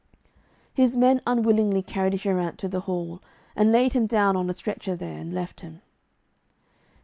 His men unwillingly carried Geraint to the hall, and laid him down on a stretcher there, and left him.